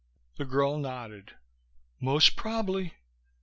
The girl nodded. "Most prob'ly.